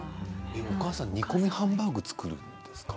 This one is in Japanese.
お母さん煮込みハンバーグ作るんですか。